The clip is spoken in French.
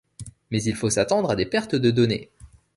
Mais il faut s'attendre à des pertes de données.